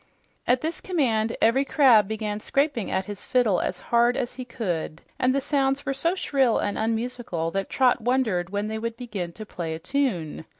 At this command every crab began scraping at his fiddle as hard as he could, and the sounds were so shrill and unmusical that Trot wondered when they would begin to play a tune.